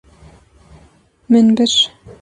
Min bir.